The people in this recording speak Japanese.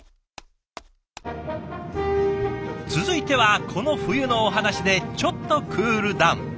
続いてはこの冬のお話でちょっとクールダウン。